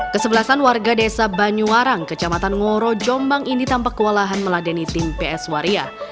kesebelasan warga desa banyuwarang kecamatan ngoro jombang ini tampak kewalahan meladeni tim ps waria